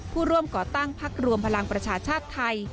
ผู้ร่วมก่อตั้งพักรวมพลังประชาชาติไทย